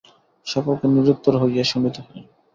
সকলকে নিরুত্তর হইয়া শুনিতে হয়।